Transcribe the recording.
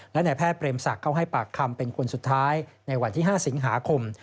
และนายแพทย์เปรมศักดิ์เข้าให้ปากคำเป็นคนสุดท้ายในวันที่๕สิงหาคม